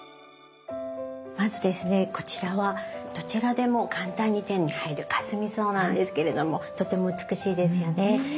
まずですねこちらはどちらでも簡単に手に入るかすみ草なんですけれどもとても美しいですよね。